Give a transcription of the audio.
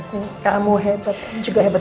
kamu hebat kamu juga hebat